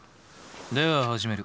では始める。